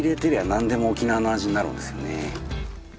何でも沖縄の味になるんですよね。